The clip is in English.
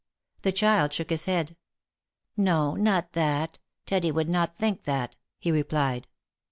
The child shook his head. " No, not that. Teddy would not think that," he replied.